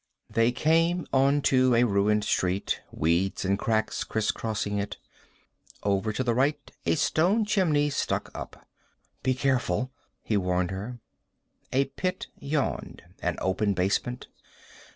They came onto a ruined street, weeds and cracks criss crossing it. Over to the right a stone chimney stuck up. "Be careful," he warned her. A pit yawned, an open basement.